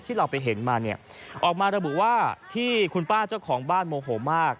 ที่เราไปเห็นมาเนี่ยออกมาระบุว่าที่คุณป้าเจ้าของบ้านโมโหมาก